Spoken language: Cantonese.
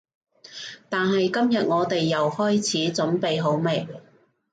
但係今日我哋由聞開始，準備好未？